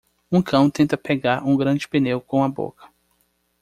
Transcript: Um cão tenta pegar um grande pneu com a boca.